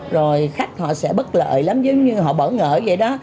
rồi khách họ sẽ bất lợi lắm giống như họ bỡ ngỡ vậy đó